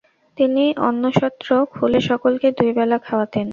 তিনি অন্নসত্র খুলে সকলকে দুই বেলা খাওয়াতেন।